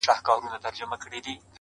جهاني د قلم ژبه دي ګونګۍ که-